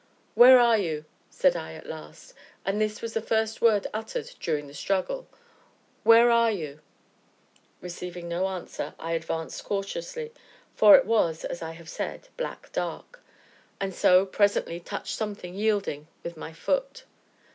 "Where are you?" said I at last, and this was the first word uttered during the struggle; "where are you?" Receiving no answer, I advanced cautiously (for it was, as I have said, black dark), and so, presently, touched something yielding with my foot.